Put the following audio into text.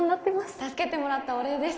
助けてもらったお礼です